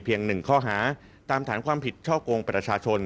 เพียง๑ข้อหาตามฐานความผิดเชาะโกงประชาชน